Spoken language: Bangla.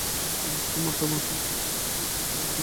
এই নিষ্ঠুর বার্তা মাকে কেমন করিয়া শুনাইবে।